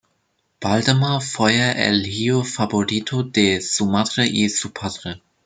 Valdemar fue el hijo favorito de su madre y su padre.